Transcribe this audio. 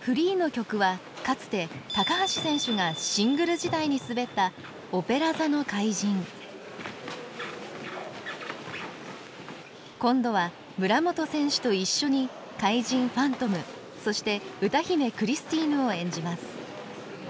フリーの曲はかつて高橋選手がシングル時代に滑った「オペラ座の怪人」。今度は村元選手と一緒に怪人ファントムそして歌姫クリスティーヌを演じます。